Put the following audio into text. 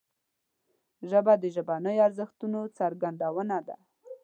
ژبه د ژبنیو ارزښتونو څرګندونه ده